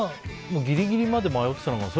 ギリギリまで迷ってたのかな？